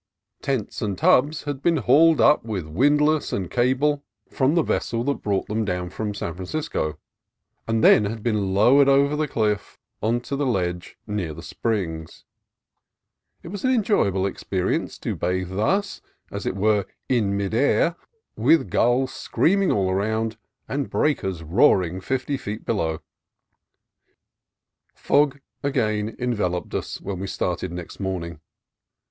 Tents and tubs had been hauled up with windlass and cable 202 CALIFORNIA COAST TRAILS from the vessel that brought them down from San Francisco, and then had been lowered over the cliff on to the ledge near the springs. It was an enjoy able experience to bathe thus, as it were, in mid air, with gulls screaming all around and breakers roar ing fifty feet below. Fog again enveloped us when we started next morning.